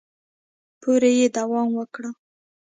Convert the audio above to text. پورې دوام وکړي